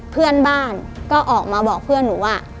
เพื่อนบ้านก็ออกมาบอกเพื่อนหนูว่า